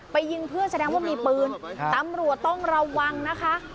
ยิงเพื่อนแสดงว่ามีปืนตำรวจต้องระวังนะคะ